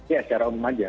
ya secara umum saja